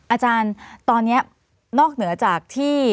อาจารย์ตอนนี้นอกเหนือจากที่